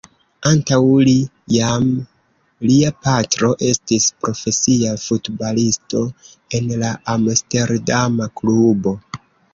Antaŭ li, jam lia patro estis profesia futbalisto en la amsterdama klubo.